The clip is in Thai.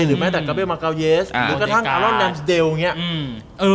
หรือแมทักกาเบลมากาวเยส